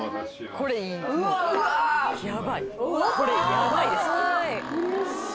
これヤバいです。